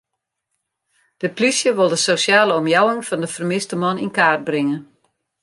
De plysje wol de sosjale omjouwing fan de fermiste man yn kaart bringe.